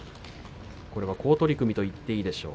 土俵上は好取組と言っていいでしょう。